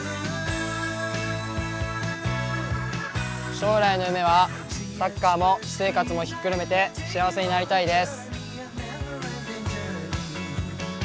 将来の夢はサッカーも私生活もひっくるめて幸せになりたいです。